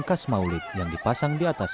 kas maulid yang dipasang di atas